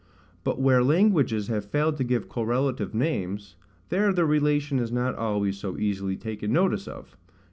But where languages have failed to give correlative names, there the relation is not always so easily taken notice of.